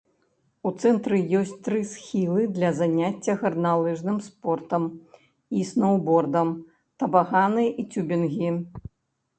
У цэнтры ёсць тры схілы для заняцця гарналыжным спортам і сноўбордам, табаганы і цюбінгі.